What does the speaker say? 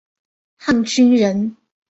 汉军人。